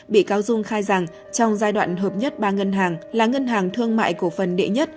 bị cáo dung khai rằng trong giai đoạn hợp nhất ba ngân hàng là ngân hàng thương mại cổ phần đệ nhất